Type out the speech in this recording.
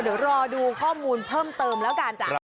เดี๋ยวรอดูข้อมูลเพิ่มเติมแล้วกัน